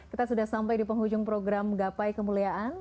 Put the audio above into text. kita sudah sampai di penghujung program gapai kemuliaan